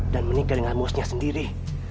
dan meninggal dengan bosnya sendiri